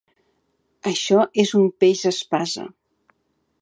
Això és un peix espasa.